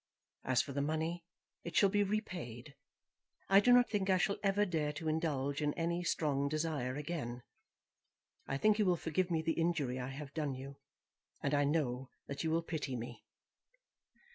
As for the money, it shall be repaid. I do not think I shall ever dare to indulge in any strong desire again. I think you will forgive me the injury I have done you; and I know that you will pity me.